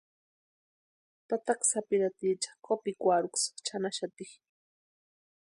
Tataka sapirhaticha kopikwarhuksï chʼanaxati.